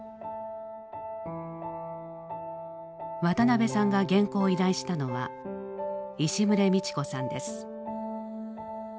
渡辺さんが原稿を依頼したのは石牟礼道子さんです。